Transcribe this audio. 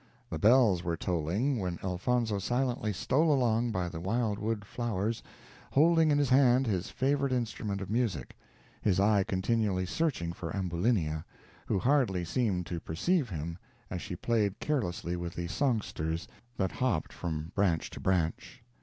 The bells were tolling, when Elfonzo silently stole along by the wild wood flowers, holding in his hand his favorite instrument of music his eye continually searching for Ambulinia, who hardly seemed to perceive him, as she played carelessly with the songsters that hopped from branch to branch.